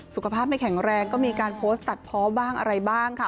สุขภาพไม่แข็งแรงก็มีการโพสต์ตัดเพาะบ้างอะไรบ้างค่ะ